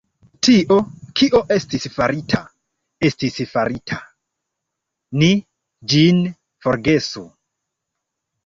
Tio, kio estis farita, estis farita; ni ĝin forgesu.